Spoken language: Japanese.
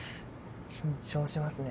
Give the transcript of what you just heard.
緊張しますね